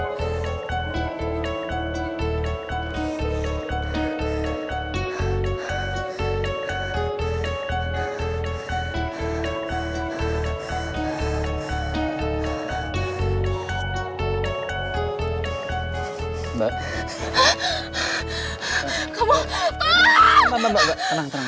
tenang mbak tenang